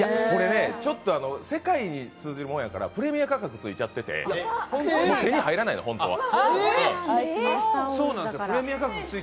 ちょっと世界に通じるもんやからプレミア価格、ついちゃってて手に入らないの、本当は。